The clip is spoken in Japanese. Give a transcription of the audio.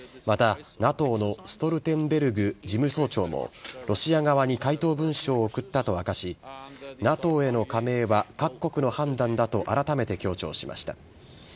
また、ＮＡＴＯのストルテンベルグ事務総長もロシア側に回答文書を送ったと明かしＮＡＴＯへの加盟は各国の判断だとあらためて強調しました。